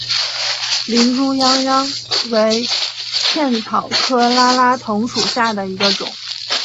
林猪殃殃为茜草科拉拉藤属下的一个种。